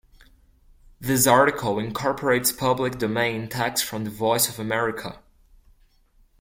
This article incorporates public domain text from the Voice of America.